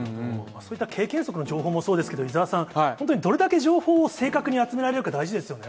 そういった経験則の情報もそうですけど、伊沢さん、本当にどれだけ情報を正確に集められるか、大事ですよね。